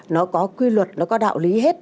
nó có quy luật nó có đạo lý hết